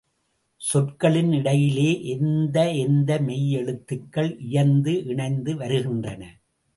சொற்களின் இடையிலே எந்த எந்த மெய் எழுத்துகள் இயைந்து இணைந்து வருகின்றன.